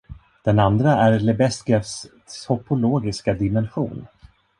Den andra är Lebesgues topologiska dimension.